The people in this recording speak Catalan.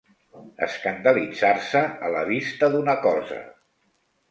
Escandalitzar-se a la vista d'una cosa.